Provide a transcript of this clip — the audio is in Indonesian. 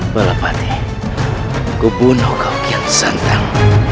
balapati aku membunuh kau keang santan